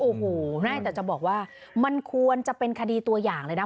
โอ้โหไม่แต่จะบอกว่ามันควรจะเป็นคดีตัวอย่างเลยนะ